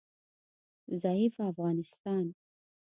ضعیفه افغانستان